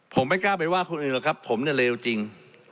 ผมไม่กล้าไปว่าคนอื่นหรอกครับผมเนี่ยเลวจริง